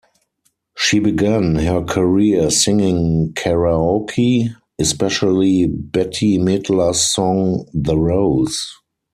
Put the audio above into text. She began her career singing karaoke, especially Bette Midler's song "The Rose".